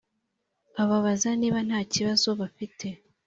ababaza niba ntakibazo bafite